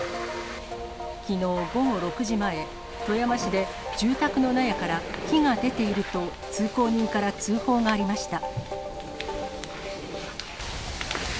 きのう午後６時前、富山市で住宅の納屋から火が出ていると、通行人から通報がありました。